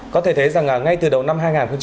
có thể thấy rằng ngay từ đầu năm